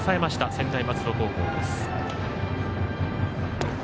専大松戸高校です。